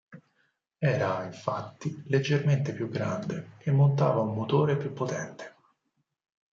Era, infatti, leggermente più grande e montava un motore più potente.